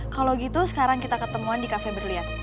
kalau gitu sekarang kita ketemuan di cafe berliat